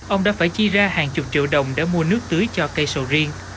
ông đã phải chi ra hàng chục triệu đồng để mua nước tưới cho cây sầu riêng